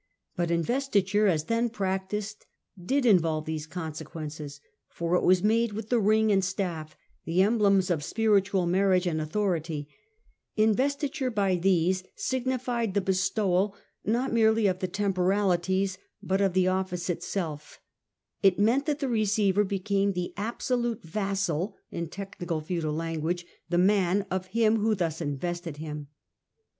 J But investiture as then practised did involve these consequences, for it was made with the ring and staff, the emblems of spiritual marriage and authority ; investiture by these signified the bestowal, not merely of the temporalities, but of the office itself; it meant that the receiver became the absolute vassal — in technical feudal language, ' the man '— of him who thus invested him.